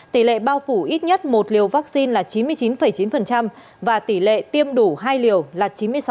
tỷ lệ bao phủ ít nhất một liều vaccine là chín mươi chín chín và tỷ lệ tiêm đủ hai liều là chín mươi sáu